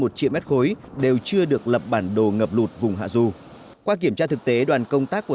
một triệu m ba đều chưa được lập bản đồ ngập lụt vùng hạ dù qua kiểm tra thực tế đoàn công tác của